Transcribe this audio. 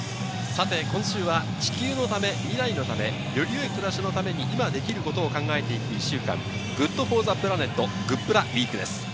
さて、今週は地球のため、未来のため、より良い暮らしのために今できることを考えていく１週間、ＧｏｏｄＦｏｒｔｈｅＰｌａｎｅｔ、グップラウィークです。